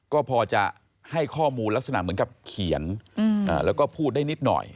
ก็พอจะให้ข้อมูลลักษณะเหมือนกับเขียนแล้วก็พูดได้นิดหน่อย